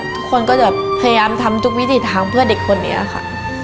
ทุกคนก็จะพยายามทำทุกวิถีทางเพื่อเด็กคนนี้ค่ะ